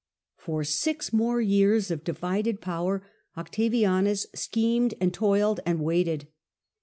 For six more years of divided power Octavianus schemed and toiled and waited.